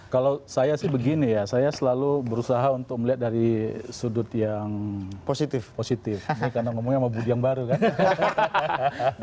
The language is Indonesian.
kalau saya sih begini ya saya selalu berusaha untuk melihat dari sudut yang positif positif karena ngomongnya sama budi yang baru kan